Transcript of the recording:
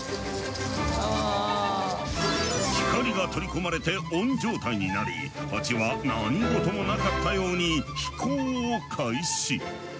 光が取り込まれてオン状態になりハチは何事もなかったように飛行を開始。